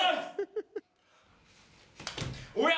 おや？